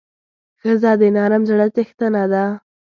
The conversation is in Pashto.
ښځه د نرم زړه څښتنه ده.